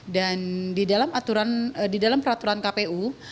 dan di dalam peraturan kpu